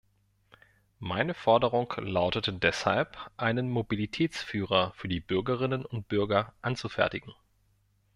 Meine Forderung lautete deshalb, einen Mobilitätsführer für die Bürgerinnen und Bürger anzufertigen.